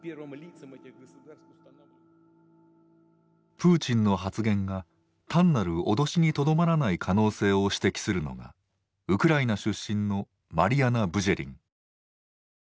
プーチンの発言が単なる脅しにとどまらない可能性を指摘するのがウクライナ出身のマリアナ・ブジェリン。